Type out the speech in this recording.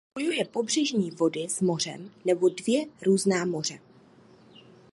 Spojuje pobřežní vody s mořem nebo dvě různá moře.